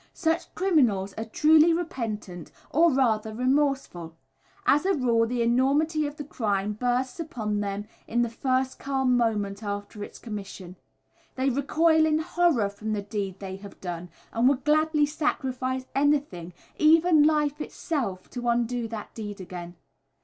Such criminals are truly repentant, or rather, remorseful. As a rule, the enormity of the crime bursts upon them in the first calm moment after its commission. They recoil in horror from the deed they have done and would gladly sacrifice anything, even life itself, to undo that deed again.